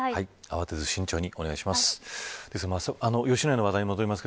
慌てず慎重にお願いします。